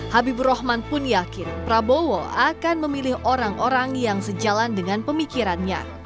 habibur rahman pun yakin prabowo akan memilih orang orang yang sejalan dengan pemikirannya